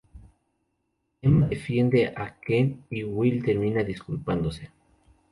Emma defiende a Ken y Will termina disculpándose.